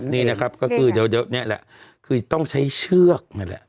นี่นะครับก็คือต้องใช้เชือกนั่นแหละ